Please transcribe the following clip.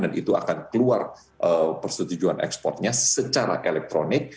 dan itu akan keluar persetujuan ekspornya secara elektronik